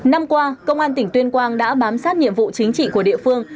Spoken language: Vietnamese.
năm qua công an tỉnh tuyên quang đã bám sát nhiệm vụ chính trị của địa phương